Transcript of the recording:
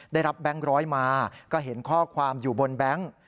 แบงค์ร้อยมาก็เห็นข้อความอยู่บนแบงค์